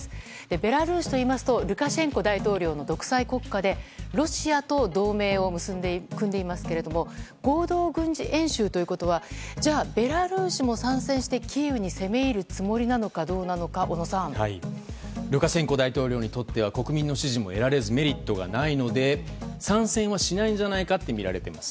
ベラルーシといいますとルカシェンコ大統領の独裁国家でロシアと同盟を組んでいますけれども合同軍事演習ということはじゃあベラルーシも参戦してキーウに攻め入るつもりなのかどうなのかルカシェンコ大統領にとっては国民の支持も得られずメリットもないので参戦はしないんじゃないかとみられています。